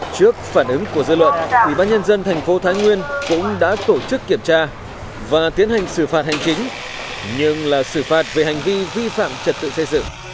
trước phản ứng của dư luận quỹ ban nhân dân thành phố thái nguyên cũng đã tổ chức kiểm tra và tiến hành xử phạt hành chính nhưng là xử phạt về hành vi vi phạm trật tự xây dựng